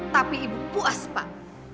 tapi ibu puas pak